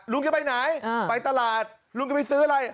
ลุงจะไปไหนไปตลาดลุงจะไปซื้ออะไร